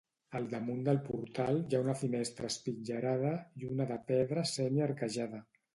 Al damunt del portal hi ha una finestra espitllerada i una de pedra semi arquejada.